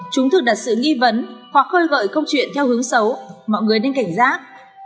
chúng thực đặt sự nghi vấn hoặc khơi gợi câu chuyện theo hướng xấu mọi người nên cảnh giác